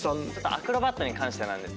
アクロバットに関して。